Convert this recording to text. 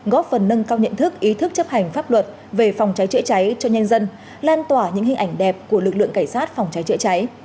góp phần nâng cao nhận thức ý thức chấp hành pháp luật về phòng cháy chữa cháy cho nhân dân lan tỏa những hình ảnh đẹp của lực lượng cảnh sát phòng cháy chữa cháy